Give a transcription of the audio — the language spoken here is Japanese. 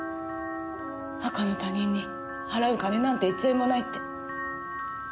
赤の他人に払う金なんて１円もないって。